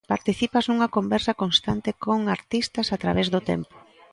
Participas nunha conversa constante con artistas a través do tempo.